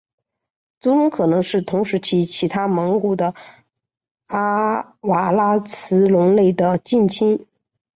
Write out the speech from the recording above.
足龙可能是同时期其他蒙古的阿瓦拉慈龙类的近亲。